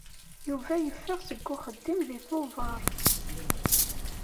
Yuba yeffeɣ seg uxeddim deg Tubeṛ.